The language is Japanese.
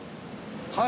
はい。